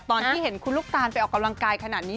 ตอนที่เห็นคุณลูกตาลไปออกกำลังกายขนาดนี้